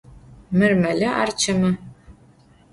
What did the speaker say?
Mır melı, ar çemı.